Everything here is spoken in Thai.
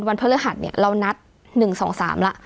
วันพฤหัสเนี่ยเรานัด๑๒๓ละ